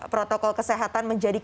protokol kesehatan menjadi